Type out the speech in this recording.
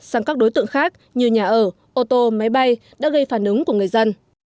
sang các đối tượng khác như nhà ở ô tô máy bay đã gây phản ứng của người dân